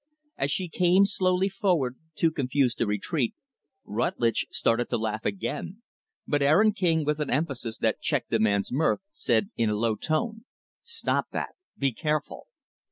As she came slowly forward, too confused to retreat, Rutlidge started to laugh again, but Aaron King, with an emphasis that checked the man's mirth, said in a low tone, "Stop that! Be careful!"